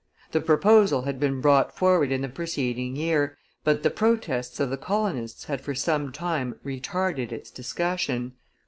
The proposal had been brought forward in the preceding year, but the protests of the colonists had for some time retarded its discussion.